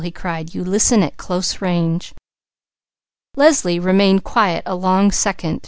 he cried. "You listen at close range." Leslie remained quiet a long second.